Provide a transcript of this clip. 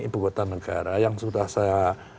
ibu kota negara yang sudah saya